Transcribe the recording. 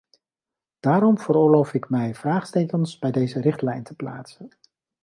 Daarom veroorloof ik mij vraagtekens bij deze richtlijn te plaatsen.